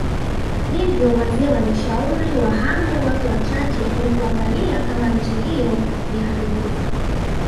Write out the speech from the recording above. Hivyo wazee walishauri wahame watu wachache ili kuangalia kama nchii hiyo ni haribifu